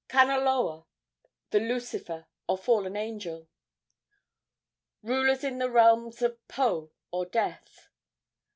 Kanaloa, the Lucifer, or fallen angel. Rulers in the realms of Po, or death.